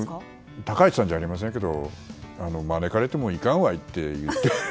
高市さんじゃありませんけど招かれても行かんわいって。